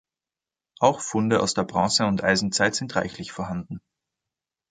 Auch Funde aus der Bronze- und Eisenzeit sind reichlich vorhanden.